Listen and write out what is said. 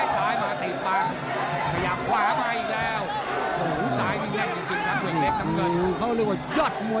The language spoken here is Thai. ใส่สู้ทางหลักสรุปสุดยอดจริงครับคุณผู้ชม